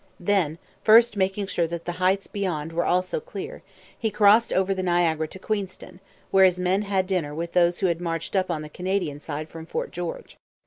Then, first making sure that the heights beyond were also clear, he crossed over the Niagara to Queenston, where his men had dinner with those who had marched up on the Canadian side from Fort George.